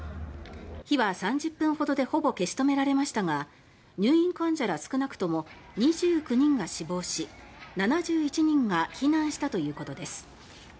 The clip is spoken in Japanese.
火は３０分ほどでほぼ消し止められましたが入院患者ら少なくとも２９人が死亡し７１人が避難したということです。